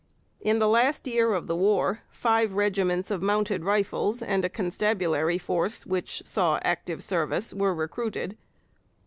In the last year of the war five regiments of Mounted Rifles and a Constabulary Force, which saw active service, were recruited.